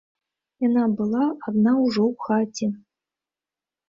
Яна была адна ўжо ў хаце.